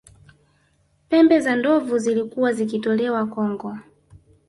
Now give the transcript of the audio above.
pembe za ndovu zilikuwa zikitolewa kongo